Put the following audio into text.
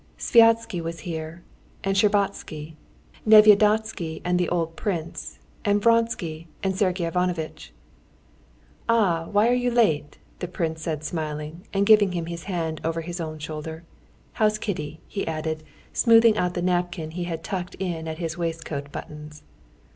Sviazhsky was here and Shtcherbatsky, Nevyedovsky and the old prince, and Vronsky and Sergey Ivanovitch. "Ah! why are you late?" the prince said smiling, and giving him his hand over his own shoulder. "How's Kitty?" he added, smoothing out the napkin he had tucked in at his waistcoat buttons.